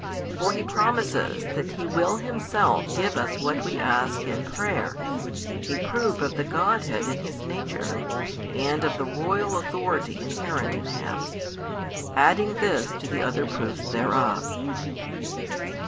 For He promises that He will Himself give us what we ask in prayer; a proof of the Godhead in His nature, and of the royal authority inherent in Him; adding this to the other proofs thereof.